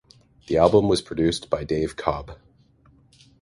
The album was produced by Dave Cobb.